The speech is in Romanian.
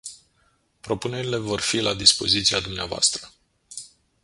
Propunerile vor fi la dispoziția dumneavoastră.